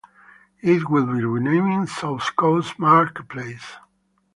It will be renamed South Coast Marketplace.